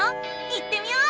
行ってみよう！